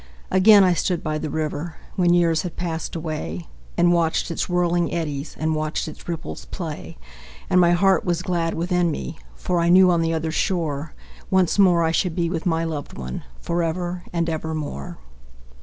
Again I stood by the river, When years had passed away, And watched its whirling eddies, And watched its ripples play. And my heart was glad within me, For I knew, on the other shore, Once more I should be with my loved one, Forever and evermore.